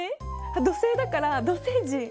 土星だから土星人！？